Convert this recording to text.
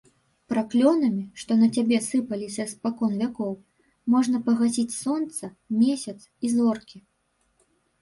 Праклёнамі, што на цябе сыпаліся спакон вякоў, можна пагасіць сонца, месяц і зоркі.